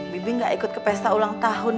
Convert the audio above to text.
bibi gak ikut ke pesta ulang tahun